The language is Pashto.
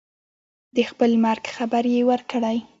د خپل مرګ خبر یې ورکړی.